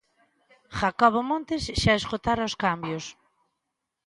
Jacobo Montes xa esgotara os cambios.